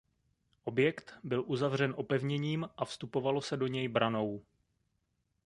Objekt byl uzavřen opevněním a vstupovalo se do něj branou.